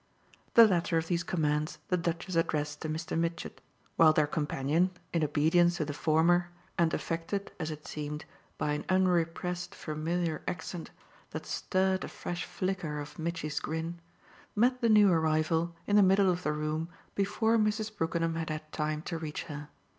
The latter of these commands the Duchess addressed to Mr. Mitchett, while their companion, in obedience to the former and affected, as it seemed, by an unrepressed familiar accent that stirred a fresh flicker of Mitchy's grin, met the new arrival in the middle of the room before Mrs. Brookenham had had time to reach her.